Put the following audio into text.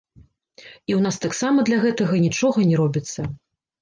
І ў нас таксама для гэтага нічога не робіцца.